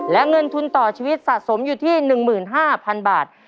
และเงินทุนต่อชีวิตสะสมอยู่ที่๑๕๐๐๐บาท